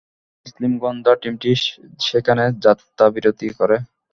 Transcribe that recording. মুসলিম গোয়েন্দা টিমটি সেখানে যাত্রাবিরতি করে।